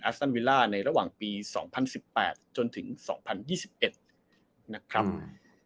ซันวิลล่าในระหว่างปีสองพันสิบแปดจนถึงสองพันยี่สิบเอ็ดนะครับอืม